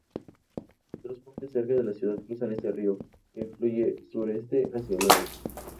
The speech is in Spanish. Dos puentes cerca de la ciudad cruzan este río, que fluye sur-este, hacia Laos.